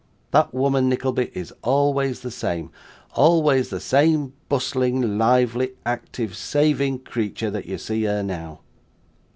That woman, Nickleby, is always the same always the same bustling, lively, active, saving creetur that you see her now.